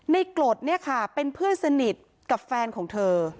กรดเนี่ยค่ะเป็นเพื่อนสนิทกับแฟนของเธอ